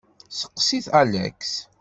Seqsit Alex.